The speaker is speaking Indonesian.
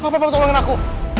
bapak tolongin aku